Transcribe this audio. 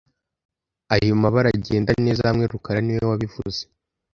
Ayo mabara agenda neza hamwe rukara niwe wabivuze